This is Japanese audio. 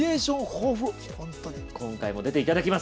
今回も出ていただきます